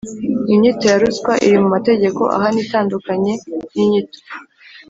inyito ya ruswa iri mu mategeko ahana itandukanye n‘inyito